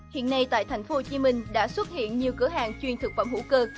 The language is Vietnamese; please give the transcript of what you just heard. hiện nay tại thành phố hồ chí minh đã xuất hiện nhiều cửa hàng chuyên thực phẩm hữu cơ